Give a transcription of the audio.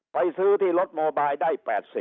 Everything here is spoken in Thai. ไปซื้อที่รถโมบายได้๘๐